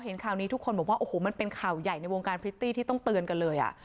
ข่าวนี้ทุกคนบอกว่าโอ้โหมันเป็นข่าวใหญ่ในวงการพริตตี้ที่ต้องเตือนกันเลย